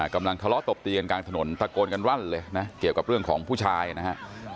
กำลังทะเลาะตบตีกันกลางถนนตะโกนกันรั่นเลยนะเกี่ยวกับเรื่องของผู้ชายนะฮะ